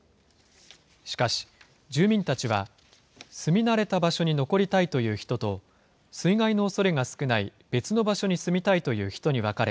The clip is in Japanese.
しかし、住民たちは、住み慣れた場所に残りたいという人と、水害のおそれが少ない別の場所に住みたいという人に分かれ、